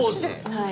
はい。